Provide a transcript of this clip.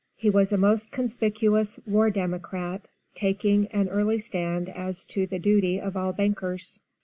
He was a most conspicuous 'War Democrat,' taking an early stand as to the duty of all bankers.